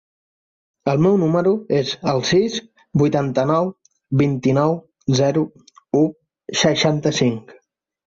El meu número es el sis, vuitanta-nou, vint-i-nou, zero, u, seixanta-cinc.